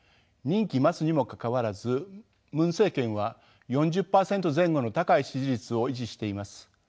任期末にもかかわらずムン政権は４０％前後の高い支持率を維持しています。